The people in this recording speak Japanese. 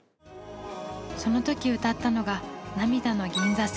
その時歌ったのが「涙の銀座線」。